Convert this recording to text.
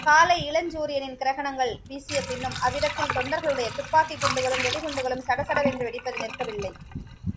காலை இளஞ்சூரியனின் கிரணங்கள் வீசிய பின்னும் அவ்விடத்தில் தொண்டர்களுடைய துப்பாக்கிக் குண்டுகளும் வெடி குண்டுகளும் சடசடவென்று வெடிப்பது நிற்கவில்லை.